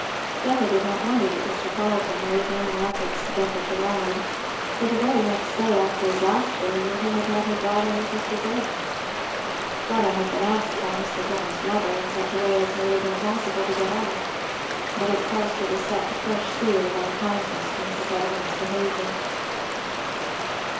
Fleda did not wonder that Mr. Carleton made no more efforts to get her to ride, for the very next day after his last failure he had met her driving with Mr. Thorn. Fleda had been asked by Mr. Thorn's mother in such a way as made it impossible to get off; but it caused her to set a fresh seal of unkindness to Mrs. Evelyn's behaviour.